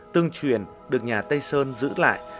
tương truyền được nhà tây sơn giữ lại